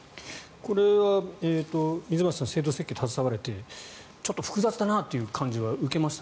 これは水町さん制度設計に携わられていてちょっと複雑だなという感じは受けました？